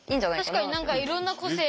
確かに何かいろんな個性。